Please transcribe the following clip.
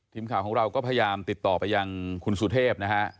ทีมข่าวของเราก็พยายามติดต่อไปยังคุณสุเทพนะฮะ